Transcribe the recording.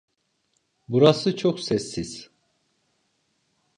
Burası çok sessiz.